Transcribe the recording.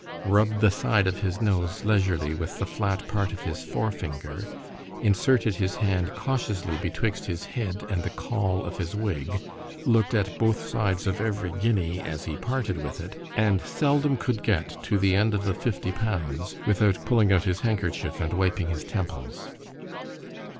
_ rubb'd the side of his nose leisurely with the flat part of his fore finger——inserted his hand cautiously betwixt his head and the cawl of his wig—look'd at both sides of every guinea as he parted with it——and seldom could get to the end of the fifty pounds, without pulling out his handkerchief, and wiping his temples.